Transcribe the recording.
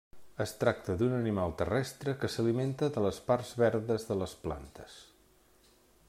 Es tracta d'un animal terrestre que s'alimenta de les parts verdes de les plantes.